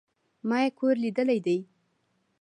ما ئې کور ليدلى دئ